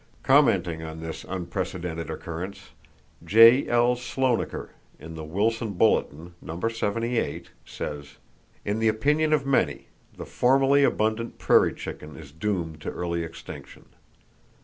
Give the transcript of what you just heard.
Commenting on this unprecedented occurrence, J.L. Sloanaker in the "Wilson Bulletin" No. 78, says: "In the opinion of many, the formerly abundant prairie chicken is doomed to early extinction.